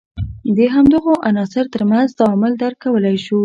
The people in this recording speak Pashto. د همدغو عناصر تر منځ تعامل درک کولای شو.